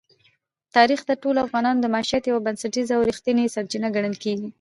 تاریخ د ټولو افغانانو د معیشت یوه بنسټیزه او رښتینې سرچینه ګڼل کېږي.